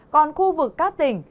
còn khu vực các tỉnh